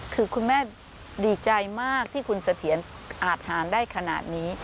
คือคุณแม่ดีใจมากที่คุณเสถียรอาจหารได้ขนาดนี้